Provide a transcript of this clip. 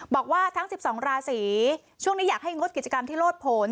บอกว่าทั้ง๑๒ราศีช่วงนี้อยากให้งดกิจกรรมที่โลดผล